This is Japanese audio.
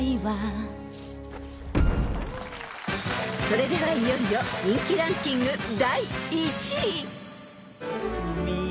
［それではいよいよ人気ランキング第１位］